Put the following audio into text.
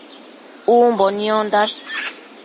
Umbo niondash